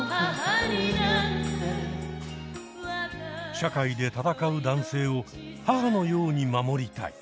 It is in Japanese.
社会でたたかう男性を母のように守りたい。